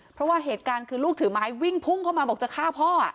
เพราะว่าเหตุการณ์คือลูกถือไม้วิ่งพุ่งเข้ามาบอกจะฆ่าพ่อ